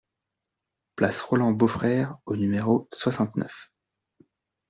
Place Roland Beaufrère au numéro soixante-neuf